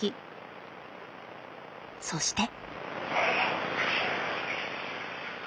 そして。